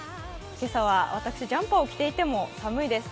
今朝は私、ジャンパーを着ていても寒いです。